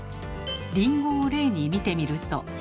りんごを例に見てみると。